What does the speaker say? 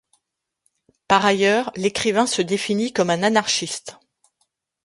Par ailleurs, l'écrivain se définit comme un anarchiste.